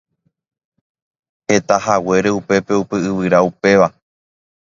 Hetahaguére upépe upe yvyra upéva.